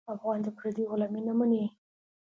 افغان د پردیو غلامي نه مني.